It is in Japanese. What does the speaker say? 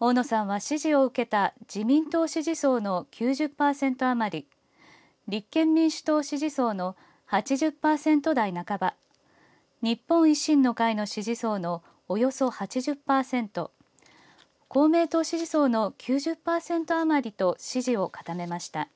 大野さんは支持を受けた自民党支持層の９０％余り、立憲民主党支持層の８０％台半ば、日本維新の会の支持層のおよそ８０％、公明党支持層の９０％余りと支持を固めました。